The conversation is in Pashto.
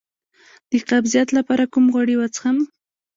د قبضیت لپاره کوم غوړي وڅښم؟